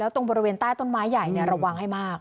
ตรงบริเวณใต้ต้นไม้ใหญ่ระวังให้มาก